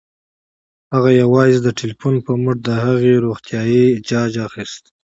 هغه یوازې د ټيليفون په مټ د هغې روغتيا جاج اخيسته